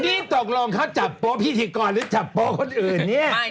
นี่ตกลงเขาจับโป๊พิธีกรหรือจับโป๊คนอื่นเนี่ย